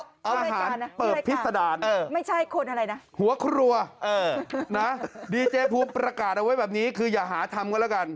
พี่รายการนะพี่รายการหัวครัวดีเจภูมิประกาศเอาไว้แบบนี้คืออย่าหาทำก็แล้วกัน